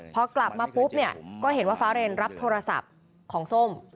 พอกลับมาปุ๊บเนี่ยก็เห็นว่าฟ้าเรนรับโทรศัพท์ของส้ม